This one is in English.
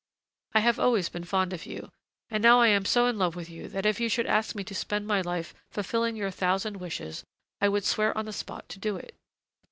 I have always been fond of you, and now I am so in love with you that if you should ask me to spend my life fulfilling your thousand wishes, I would swear on the spot to do it.